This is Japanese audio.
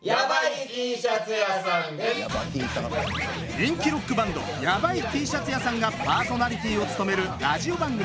人気ロックバンドヤバイＴシャツ屋さんがパーソナリティーを務めるラジオ番組